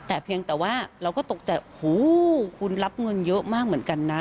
แต่เพียงแต่ว่าเราก็ตกใจโอ้โหคุณรับเงินเยอะมากเหมือนกันนะ